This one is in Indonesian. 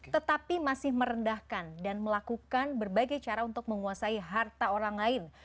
tetapi masih merendahkan dan melakukan berbagai cara untuk menguasai harta orang lain